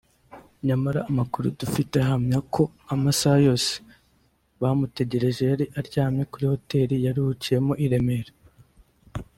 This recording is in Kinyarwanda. nyamara amakuru dufite ahamya ko amasaha yose bamutegereje yari aryamye kuri Hotel yaruhukiyemo i Remera